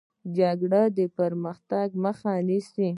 جګړه د پرمختګ مخه نیسي